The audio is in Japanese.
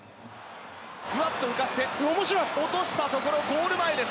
ふわっと浮かせて落としたところゴール前です。